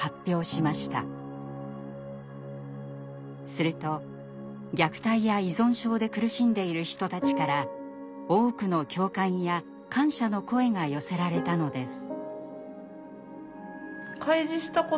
すると虐待や依存症で苦しんでいる人たちから多くの共感や感謝の声が寄せられたのです。